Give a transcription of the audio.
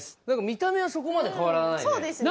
見た目はそこまで変わらないね